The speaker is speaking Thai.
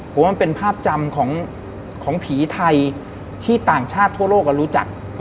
ผมว่ามันเป็นภาพจำของผีไทยที่ต่างชาติทั่วโลกรู้จัก